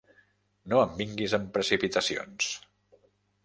No em vinguis amb precipitacions.